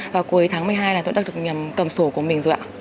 và cuối tháng một mươi hai là tôi đã được cầm sổ của mình rồi ạ